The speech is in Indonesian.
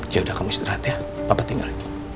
ya udah kamu istirahat ya bapak tinggal